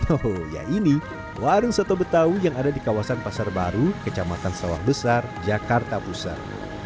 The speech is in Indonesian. oh ya ini warung soto betawi yang ada di kawasan pasar baru kecamatan sawah besar jakarta pusat